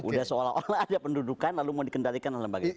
udah seolah olah ada pendudukan lalu mau dikendalikan oleh lembaga itu